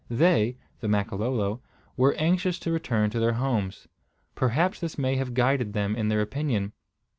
They (the Makololo) were anxious to return to their homes. Perhaps this may have guided them in their opinion.